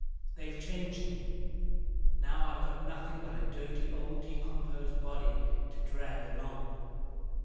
They've changed me. Now, I've got nothing but a dirty old decomposed body to drag along."